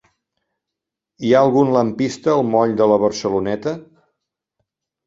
Hi ha algun lampista al moll de la Barceloneta?